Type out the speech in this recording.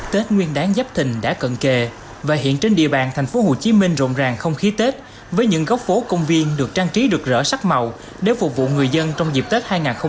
tết nguyên đáng giáp thịnh đã cận kề và hiện trên địa bàn thành phố hồ chí minh rộng ràng không khí tết với những góc phố công viên được trang trí được rỡ sắc màu để phục vụ người dân trong dịp tết hai nghìn hai mươi bốn